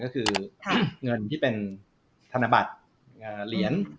ก็คือเงินที่เป็นธนบัตรเหรียญ